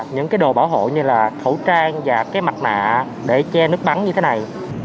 những cái đồ bảo hộ như là khẩu trang và cái mặt nạ để che nước bắn như thế này